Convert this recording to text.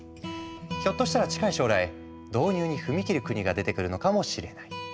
ひょっとしたら近い将来導入に踏み切る国が出てくるのかもしれない。